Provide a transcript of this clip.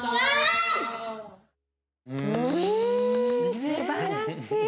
すばらしいね。